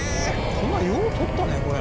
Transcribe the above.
「こんなのよく撮ったねこれ」